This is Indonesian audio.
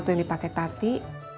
itu yang dipake tati